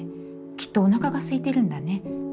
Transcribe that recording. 『きっとおなかがすいてるんだね』